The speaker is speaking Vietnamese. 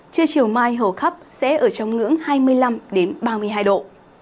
trưa chiều mai hầu khắp sẽ ở trong ngưỡng hai mươi năm ba mươi hai độ